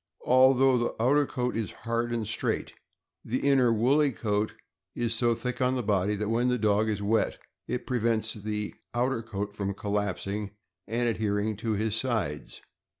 Although the outer coat is hard and straight, the inner woolly coat is so thick on the body that when the dog is wet it prevents the outer coat from collapsing and adhering to his sides.